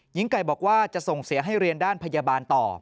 หญิงไก่บอกว่าจะส่งเสียให้เรียนด้านพยาบาลต่อ